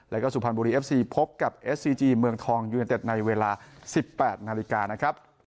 แล้วก็สุพรรณบุรีเอฟซีพบกับเอสซีจีเมืองทองยูเนเต็ดในเวลา๑๘นาฬิกานะครับ